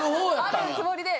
あるつもりで。